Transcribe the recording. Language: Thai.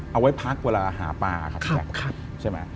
เอาไว้พักเวลาหาปลาครับ